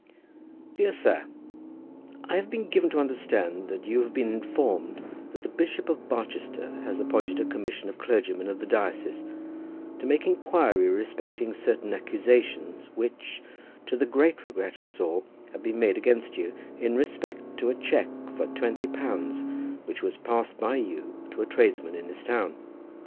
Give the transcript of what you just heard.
DEAR SIR, I have been given to understand that you have been informed that the Bishop of Barchester has appointed a commission of clergymen of the diocese to make inquiry respecting certain accusations which, to the great regret of us all, have been made against you, in respect to a cheque for twenty pounds which was passed by you to a tradesman in this town.